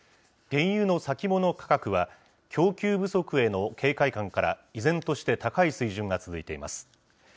原油の先物価格は、供給不足への警戒感から、依然として高い水準が続いています。